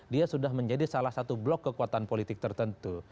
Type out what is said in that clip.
dia sudah menjadi salah satu blok kekuatan politik tertentu